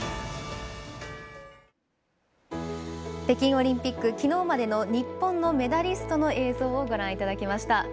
北京オリンピックきのうまでの日本のメダリストの映像をご覧いただきました。